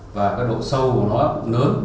và cái độ sâu của nó lớn